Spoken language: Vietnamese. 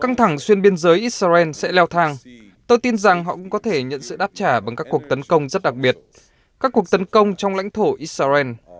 căng thẳng xuyên biên giới israel sẽ leo thang tôi tin rằng họ cũng có thể nhận sự đáp trả bằng các cuộc tấn công rất đặc biệt các cuộc tấn công trong lãnh thổ israel